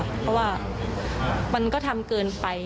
เพราะว่ามันก็ทำเกินไป